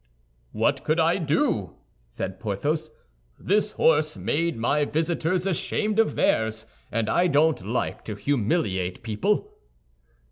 "What could I do?" said Porthos. "This horse made my visitors ashamed of theirs, and I don't like to humiliate people."